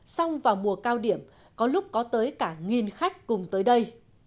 xong vào mùa cao điểm có lúc có tới cả nghìn khách cùng tới đây